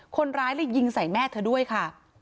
คนร้ายเลยยิงใส่แม่เธอด้วยค่ะ